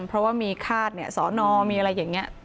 เพราะว่ามีฆาตเนี่ยศนมีอะไรอย่างเนี่ย